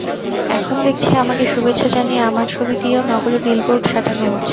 এখন দেখছি আমাকে শুভেচ্ছা জানিয়ে আমার ছবি দিয়েও নগরে বিলবোর্ড সাঁটানো হচ্ছে।